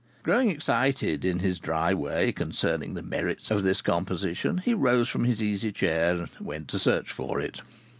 Growing excited, in his dry way, concerning the merits of this composition, he rose from his easy chair and went to search for it.